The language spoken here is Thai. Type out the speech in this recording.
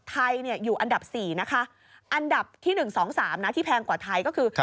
ไทยเนี้ยอยู่อันดับสี่นะคะอันดับที่หนึ่งสองสามนะที่แพงกว่าไทยก็คือ